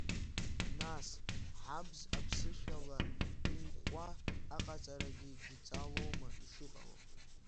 Нас, ҳабз аԥсышәала имҟәуа аҟаҵарагьы дҵалоума ишыҟало?